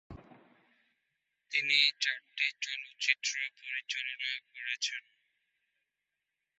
তিনি চারটি চলচ্চিত্র পরিচালনা করেছেন।